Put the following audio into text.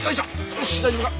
よし大丈夫か？